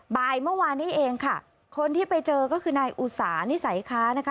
บ่ายเมื่อวานนี้เองค่ะคนที่ไปเจอก็คือนายอุสานิสัยค้านะคะ